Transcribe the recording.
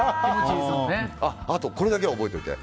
あと、これだけは覚えておいて。